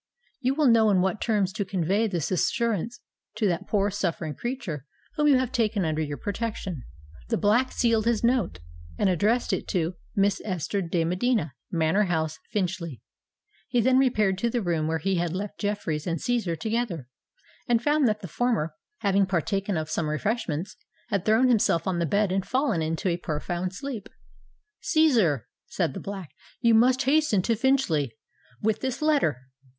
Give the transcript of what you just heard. _ You will know in what terms to convey this assurance to that poor, suffering creature whom you have taken under your protection." The Black sealed this note, and addressed it to "Miss Esther de Medina, Manor House, Finchley." He then repaired to the room where he had left Jeffreys and Cæsar together, and found that the former, having partaken of some refreshments, had thrown himself on the bed and fallen into a profound sleep. "Cæsar," said the Black, "you must hasten to Finchley with this letter.